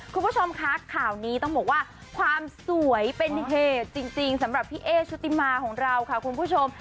คุณผู้ชมคะข่าวนี้ต้องบอกว่าความสวยเป็นเหตุจริงสำหรับพี่เอ๊ชุติมาของเราค่ะคุณผู้ชม